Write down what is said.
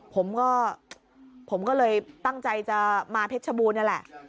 ผมก็ผมก็เลยตั้งใจจะมาเพชรชบูรณนี่แหละ